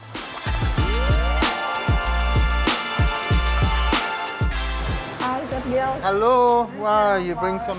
nah kita coba kita coba ini udah selesai